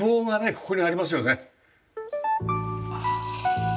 ここにありますよね。